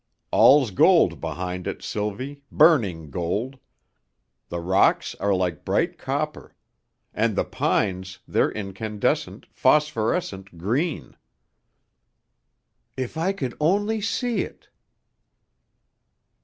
All's gold behind it, Sylvie, burning gold. The rocks are like bright copper. And the pines, they're incandescent, phosphorescent green " "If I could only see it!"